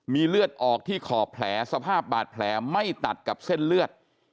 มีเลือดออกที่ขอบแผลสภาพบาดแผลไม่ตัดกับเส้นเลือด